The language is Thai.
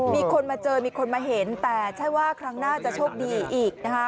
มีคนมาเจอมีคนมาเห็นแต่ใช่ว่าครั้งหน้าจะโชคดีอีกนะคะ